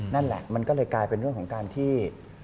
นั่นแหละมันก็เลยกลายเป็นเรื่องของการที่